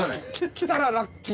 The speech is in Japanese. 来たらラッキー。